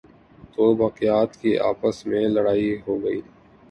دوباقیات کی آپس میں لڑائی ہوگئی۔